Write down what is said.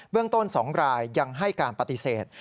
เรื่องต้น๒รายยังให้การปฏิเสธ